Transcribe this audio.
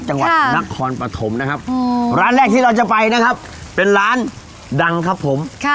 จังหวัดนครปฐมนะครับร้านแรกที่เราจะไปนะครับเป็นร้านดังครับผม